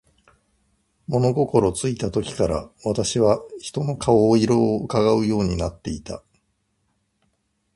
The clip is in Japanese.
物心ついた時から、私は人の顔色を窺うようになっていた。